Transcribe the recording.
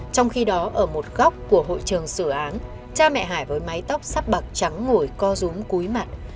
trong khi đó ở một góc của hội trường xử án cha mẹ hải với mái tóc sắp bạc trắng ngồi co rúm cúi mặt